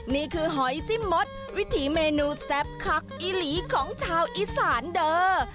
นี่คือหอยจิ้มหมดวิธีเมนูแซบคักอีหลีของชาวอีสานเดอร์